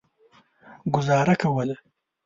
ګوزاره کوله.